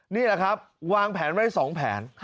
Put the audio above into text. นี่แหละครับวางแผนไว้๒แผน